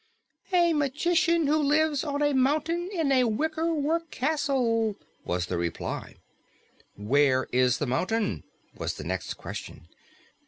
"A magician who lives on a mountain in a wickerwork castle," was the reply. "Where is the mountain?" was the next question.